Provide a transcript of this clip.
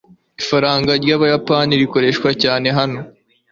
ifaranga ry'ubuyapani rikoreshwa cyane hano